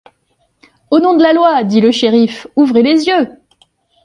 Au nom de la loi, dit le shériff, ouvrez les yeux.